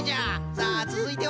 さあつづいては？